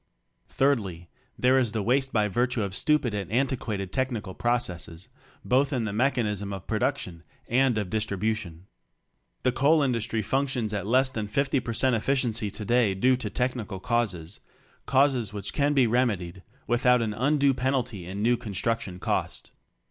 Thirdly, there is the waste by virtue of stupid and anti quated technical processes — both in the mechanism of produc tion and of distribution. The coal industry functions at less than 50 per cent efficiency today due to technical causes — causes which can be remedied without an undue penalty in new construction cost.